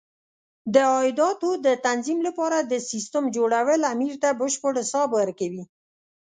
د عایداتو د تنظیم لپاره د سیسټم جوړول امیر ته بشپړ حساب ورکوي.